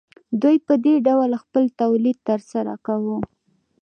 دوی په دې ډول خپل تولید ترسره کاوه